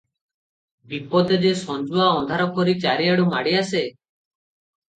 ବିପଦ ଯେ ସଞ୍ଜୁଆ ଅନ୍ଧାରପରି ଚାରିଆଡ଼ୁ ମାଡିଆସେ ।